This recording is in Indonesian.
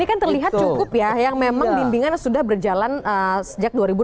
ini kan terlihat cukup ya yang memang bimbingan sudah berjalan sejak dua ribu delapan belas